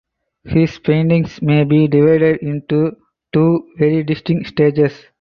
His paintings may be divided into two very distinct stages.